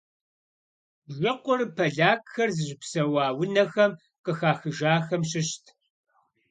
Бжыкъур полякхэр зыщыпсэуа унэхэм къыхахыжахэм щыщт.